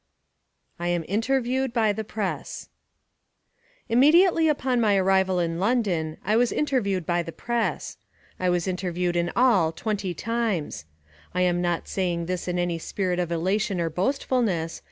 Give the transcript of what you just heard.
I Am Interviewed by the Press IMMEDIATELY upon my arrival in London I was interviewed by the Press. I was interviewed in all twenty times. I am not saying this in any spirit of elation or boastfulness.